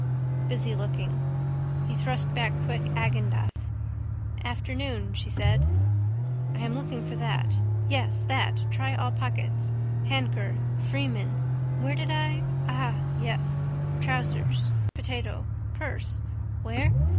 Busy looking. He thrust back quick Agendath. Afternoon she said. I am looking for that. Yes, that. Try all pockets. Handker. Freeman. Where did I? Ah, yes. Trousers. Potato. Purse. Where?